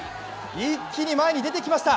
一気に前に出てきました。